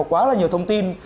có quá là nhiều thông tin